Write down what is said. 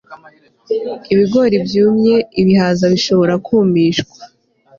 ibigori byumye Ibihaza bishobora kumishwa